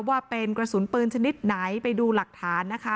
ว่าเป็นกระสุนปืนชนิดไหนไปดูหลักฐานนะคะ